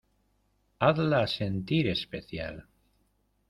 hazla sentir especial